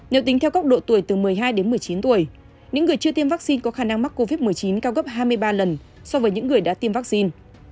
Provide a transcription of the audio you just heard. nếu tính theo góc độ tuổi từ một mươi hai đến một mươi chín tuổi những người chưa tiêm vaccine có khả năng mắc covid một mươi chín cao gấp hai mươi ba lần so với những người đã tiêm vaccine